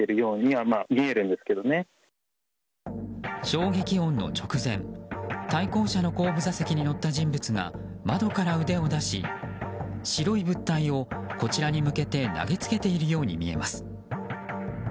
衝撃音の直前対向車の後部座席に乗った人物が窓から腕を出し、白い物体をこちらに向けて投げつけているように見えます。